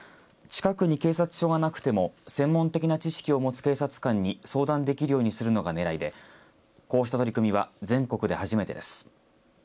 近くに警察署がなくても専門的な知識を持つ警察官に相談できるようにするのがねらいでこうした取り組みは全国で初めてです。